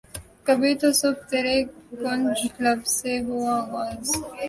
کبھی تو صبح ترے کنج لب سے ہو آغاز